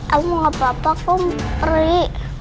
aku mau gak apa apa kok peri